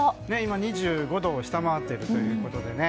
今、２５度を下回っているということでね。